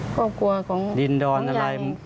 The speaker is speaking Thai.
ครอบครัวของยาง